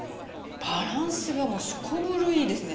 バランスがもうすこぶるいいですね。